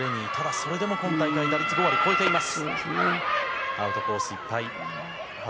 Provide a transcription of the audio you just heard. それでも今大会打率５割超えています。